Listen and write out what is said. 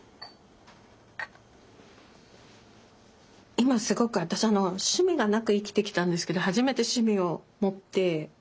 今すごく私あの趣味がなく生きてきたんですけど初めて趣味を持って。